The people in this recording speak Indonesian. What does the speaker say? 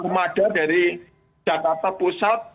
pemada dari jakarta pusat